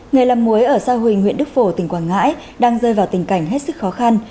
nghề làm muối ở sa huỳnh huyện đức phổ tỉnh quảng ngãi đang rơi vào tình cảnh hết sức khó khăn